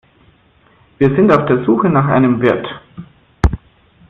Wir sind auf der Suche nach einem Wirt.